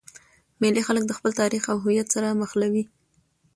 مېلې خلک د خپل تاریخ او هویت سره مښلوي.